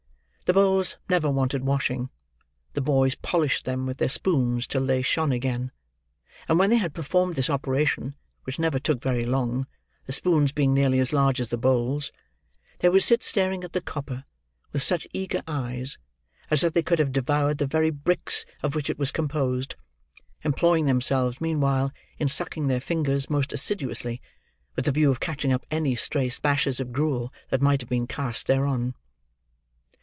The bowls never wanted washing. The boys polished them with their spoons till they shone again; and when they had performed this operation (which never took very long, the spoons being nearly as large as the bowls), they would sit staring at the copper, with such eager eyes, as if they could have devoured the very bricks of which it was composed; employing themselves, meanwhile, in sucking their fingers most assiduously, with the view of catching up any stray splashes of gruel that might have been cast thereon.